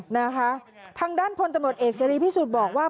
นะคะทางด้านพลตำรวจเอกเสรีพิสุทธิ์บอกว่า